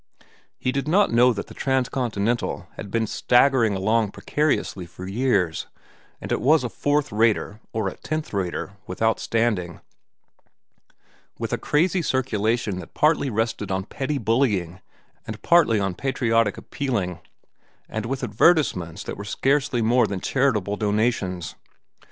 He did not know that the Transcontinental had been staggering along precariously for years, that it was a fourth rater, or tenth rater, without standing, with a crazy circulation that partly rested on petty bullying and partly on patriotic appealing, and with advertisements that were scarcely more than charitable donations.